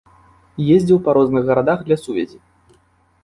Ездзіў па розных гарадах для сувязі.